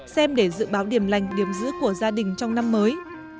xem để dự báo điểm lành điểm giữ của gia đình trong năm mới